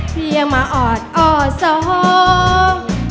เพียงมาออดออดสะหอก